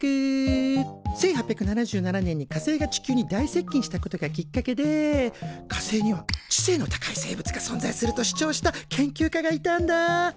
１８７７年に火星が地球に大接近したことがきっかけで火星には知性の高い生物が存在すると主張した研究家がいたんだ。